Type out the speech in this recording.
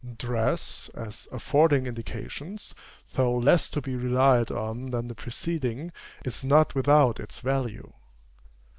Dress, as affording indications, though less to be relied on than the preceding, is not without its value.